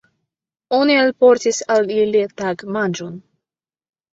Oni alportis al ili tagmanĝon.